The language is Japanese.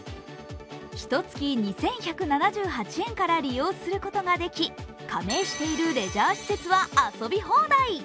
ひとつき２１７８円から利用することができ加盟しているレジャー施設は遊び放題。